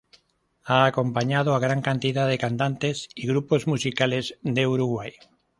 Ha acompañado a gran cantidad de cantantes y grupos musicales de Uruguay.